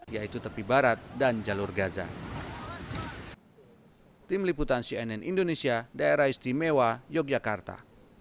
yaitu tepi barat dan jalur gaza